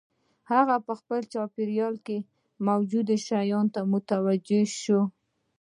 هغه په خپل چاپېريال کې موجودو شيانو ته متوجه شو.